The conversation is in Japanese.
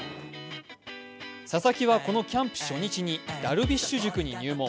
佐々木はこのキャンプ初日にダルビッシュ塾に入門。